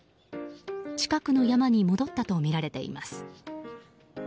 近くの山に戻ったとみられています。